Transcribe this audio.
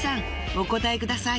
お答えください。